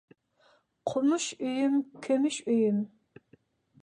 قومۇش ئۆيۈم، كۈمۈش ئۆيۈم.